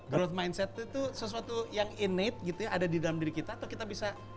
growth mindset itu sesuatu yang in ade gitu ya ada di dalam diri kita atau kita bisa